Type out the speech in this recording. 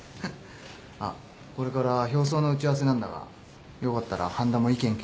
あっこれから表装の打ち合わせなんだがよかったら半田も意見聞かせてくんねえか？